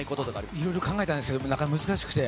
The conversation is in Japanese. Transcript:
いろいろ考えたんですけど、なんか難しくて。